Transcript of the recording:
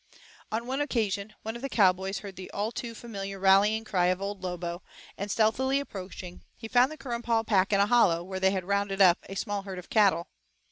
On one occasion, one of the cowboys heard the too familiar rallying cry of Old Lobo, and, stealthily approaching, he found the Currumpaw pack in a hollow, where they had 'rounded' up a small herd of cattle.